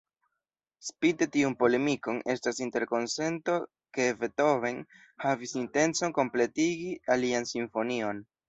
Spite tiun polemikon, estas interkonsento ke Beethoven havis intencon kompletigi alian simfonion.